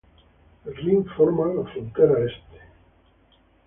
El Rin forma la frontera este.